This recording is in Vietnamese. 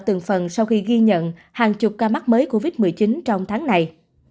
từng phần sau khi ghi nhận hàng chục ca mắc mới covid một mươi chín trong tháng này